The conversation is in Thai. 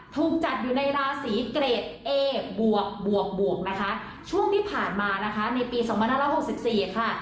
ถูกจัดอยู่ในราศีเกรดเอบวกบวกบวกนะคะช่วงที่ผ่านมานะคะในปีสองพันห้าร้อยหกสิบสี่ค่ะ